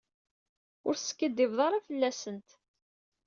Ur teskiddib ara fell-asent.